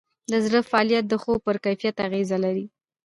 د زړه فعالیت د خوب پر کیفیت اغېز لري.